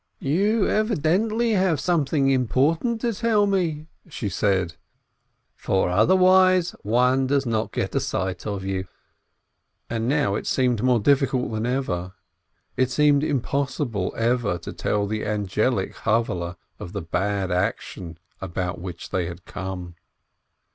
"You evidently have something important to tell me," she said, "for otherwise one does not get a sight of you." And now it seemed more difficult than ever, it seemed impossible ever to tell the angelic Chavvehle of the bad action about which they had come.